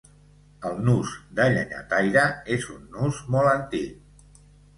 El nus de llenyataire és un nus molt antic.